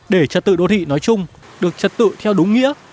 để trật tự đô thị nói chung được trật tự theo đúng nghĩa